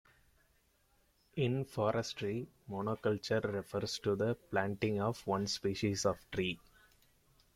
In forestry, monoculture refers to the planting of one species of tree.